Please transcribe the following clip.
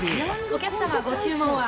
お客様、ご注文は？